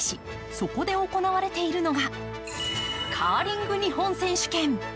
そこで行われているのがカーリング日本選手権。